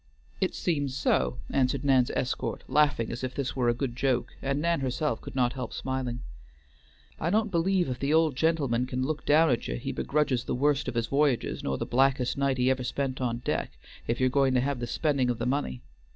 "It seems so," answered Nan's escort, laughing as if this were a good joke; and Nan herself could not help smiling. "I don't believe if the old gentleman can look down at ye he begrudges the worst of his voyages nor the blackest night he ever spent on deck, if you're going to have the spending of the money.